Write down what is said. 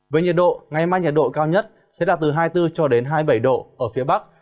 với nhiệt độ ngày mai nhiệt độ cao nhất sẽ đạt từ hai mươi bốn cho đến hai mươi bảy độ ở phía bắc